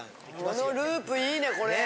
このループいいねこれ。